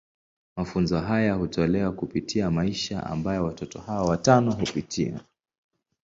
Mafunzo haya hutolewa kupitia maisha ambayo watoto hawa watano hupitia.